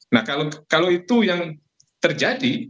nah kalau itu yang terjadi